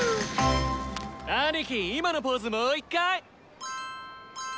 アニキ今のポーズもう一回！